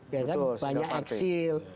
ya kan banyak eksil